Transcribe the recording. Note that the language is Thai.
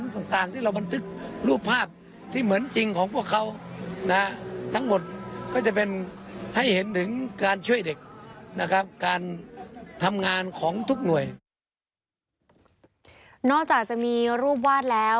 นอกจากจะมีรูปวาดแล้วมีรูปปั้นด้วยนะคะ